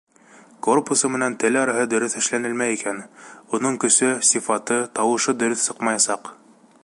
Корпусы менән тел араһы дөрөҫ эшләнелмәй икән, уның көсө, сифаты, тауышы дөрөҫ сыҡмаясаҡ.